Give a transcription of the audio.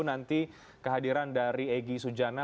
nanti kehadiran dari egy sujana